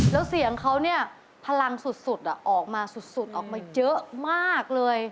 แล้วเสียงเขาเนี่ยพลังสุดออกมาสุดออกมาเยอะมากเลย